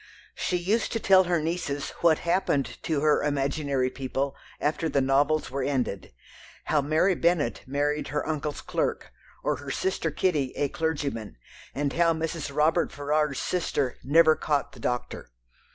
She used to tell her nieces what happened to her imaginary people after the novels were ended, how Mary Bennet married her uncle's clerk, or her sister Kitty a clergyman, and how Mrs. Robert Ferrars's sister "never caught the doctor."